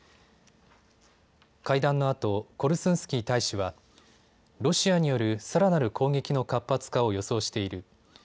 会談のあとコルスンスキー大使はロシアによるさらなる攻撃の活発化を予想している。